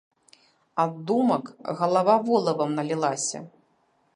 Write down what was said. Ад думак галава волавам налілася.